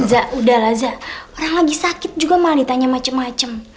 za udah lah za orang lagi sakit juga malah ditanya macem macem